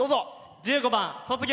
１５番「卒業」。